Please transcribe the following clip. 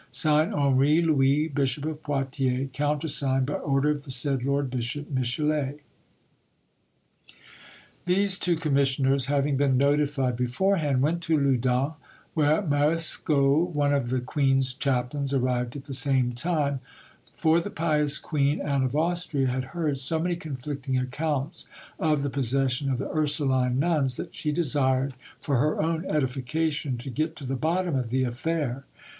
"(Signed) HENRI LOUIS, Bishop of Poitiers. "(Countersigned) By order of the said Lord Bishop, "MICHELET" These two commissioners having been notified beforehand, went to Loudun, where Marescot, one of the queen's chaplains, arrived at the same time; for the pious queen, Anne of Austria, had heard so many conflicting accounts of the possession of the Ursuline nuns, that she desired, for her own edification, to get to the bottom of the affair.